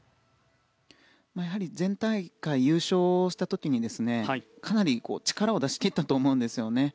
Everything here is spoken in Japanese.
やはり前大会優勝した時にかなり力を出し切ったと思うんですよね。